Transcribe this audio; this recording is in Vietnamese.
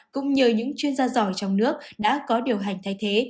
cũng như những chuyên gia giỏi trong nước đã có điều hành thay thế